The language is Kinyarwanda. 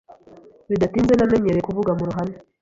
Bidatinze namenyereye kuvuga mu ruhame.